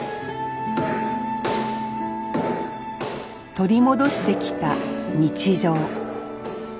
取り戻してきた日常。